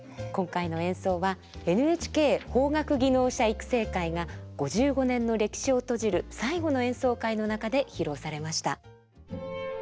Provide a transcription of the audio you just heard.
今回の演奏はＮＨＫ邦楽技能者育成会が５５年の歴史を閉じる最後の演奏会の中で披露されました。